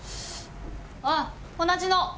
あっ同じの。